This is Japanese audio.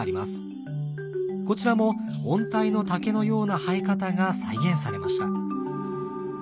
こちらも温帯の竹のような生え方が再現されました。